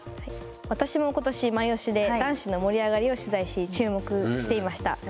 私もことし、マイオシで男子の盛り上がりを取材し、注目していました。